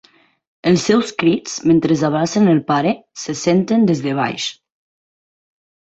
Els seus crits mentre abracen el pare se senten des de baix.